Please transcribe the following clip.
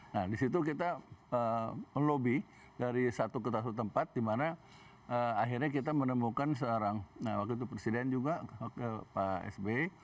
nah disitu kita melobi dari satu ke tasu tempat dimana akhirnya kita menemukan seorang nah waktu itu presiden juga pak s b